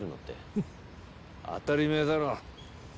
フッ当たり前だろ。